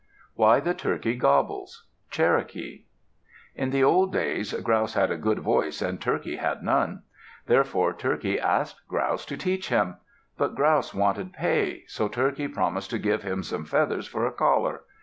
WHY THE TURKEY GOBBLES Cherokee In the old days, Grouse had a good voice and Turkey had none. Therefore Turkey asked Grouse to teach him. But Grouse wanted pay, so Turkey promised to give him some feathers for a collar.